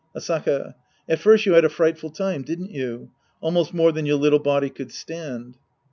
Asaka. At first you had a frightful time, didn't you? Almost more than your little body could stand.